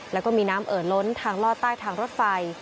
แล้วก็มีน้ำเอ่อล้นทางลอดใต้ทางรถไฟ